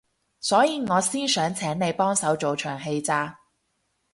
所以我先想請你幫手做場戲咋